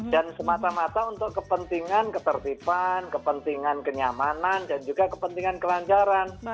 semata mata untuk kepentingan ketertiban kepentingan kenyamanan dan juga kepentingan kelancaran